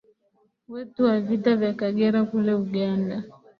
wetu wa Vita Vya Kagera kule Uganda